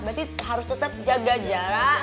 berarti harus tetap jaga jarak